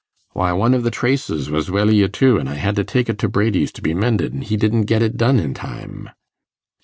'Why, one o' the traces was welly i' two, an' I had to take it to Brady's to be mended, an' he didn't get it done i' time.